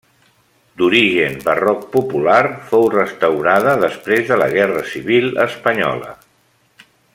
D'origen barroc popular, fou restaurada després de la Guerra Civil Espanyola.